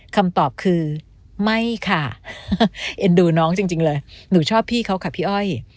คำตอบคือไม่ค่ะเอ็นดูน้องจริงเลยหนูชอบพี่เขาค่ะพี่อ้อย